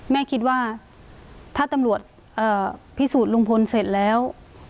แม่คิดว่าถ้าตำรวจพิสูจน์ลุงพลเสร็จแล้ว